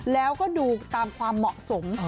แล้วก็ดูตามความเหมาะสม